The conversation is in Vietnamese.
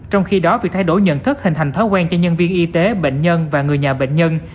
trong khi đó việc thay đổi nhận thức hình thành thói quen cho nhân viên y tế bệnh nhân và người nhà bệnh nhân